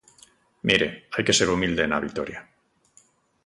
Mire, hai que ser humilde na vitoria.